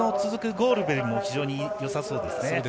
続くゴールベリも非常によさそうです。